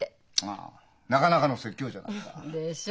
あなかなかの説教じゃないか。でしょ？